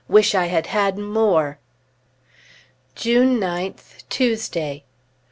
Wish I had had more! June 9th, Tuesday.